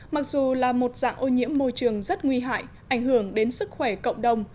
mặc dù là một dạng ô nhiễm môi trường rất nguy hại ảnh hưởng đến sức khỏe cộng đồng